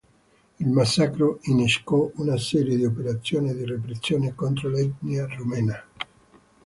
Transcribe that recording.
Il massacro innescò una serie di operazioni di repressione contro l'etnia rumena.